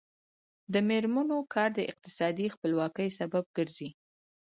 د میرمنو کار د اقتصادي خپلواکۍ سبب ګرځي.